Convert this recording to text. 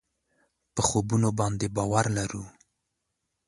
په خوبونو باندې باور لرو.